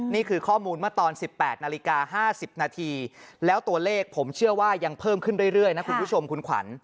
นี่คือข้อมูลเมื่อตอน๑๘นาฬิกา๕๐นาทีแล้วตัวเลขผมเชื่อว่ายังเพิ่มขึ้นเรื่อยนะคุณผู้ชมคุณขวัญ